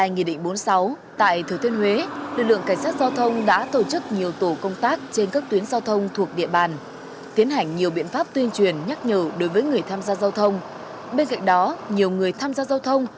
nghị định bốn mươi sáu hai trăm linh một ndcp của chính phủ về xử phạt vi phạm hành chính trong lĩnh vực giao thông